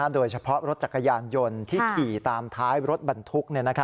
โดยเฉพาะรถจักรยานยนต์ที่ขี่ตามท้ายรถบรรทุก